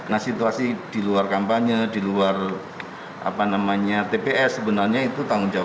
nah situasi di luar kampanye di luar tps sebenarnya itu tanggung jawab